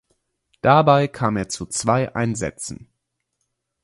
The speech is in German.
Dabei kam er zu zwei Einsätzen.